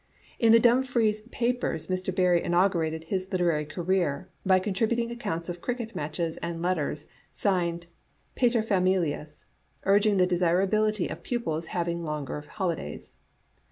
In the Dumfries papers Mr. Barrie inaugurated his literary career by contribu ting accounts of cricket matches and letters, signed "Paterfamilias," urging the desirability of pupils hav ing longer holidays.